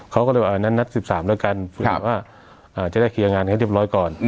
เขาก็เลยว่าอันนั้นนัด๑๓แล้วกันเผื่อว่าจะได้เคลียร์งานให้เรียบร้อยก่อน